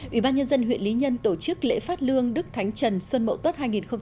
ủy ban nhân dân huyện lý nhân tổ chức lễ phát lương đức thánh trần xuân mậu tốt hai nghìn một mươi tám